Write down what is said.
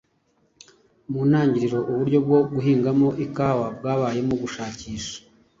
Mu ntagiriro, uburyo bwo guhinga ikawa bwabayemo gushakisha